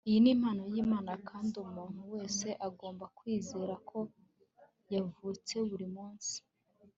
iyi ni impano y'imana kandi umuntu wese agomba kwizera ko yavutse buri munsi